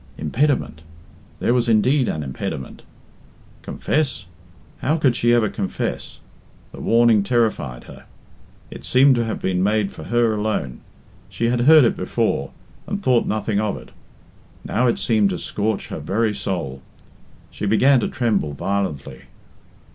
Impediment! There was indeed an impediment. Confess? How could she ever confess? The warning terrified her. It seemed to have been made for her alone. She had heard it before, and thought nothing of it. Now it seemed to scorch her very soul. She began to tremble violently.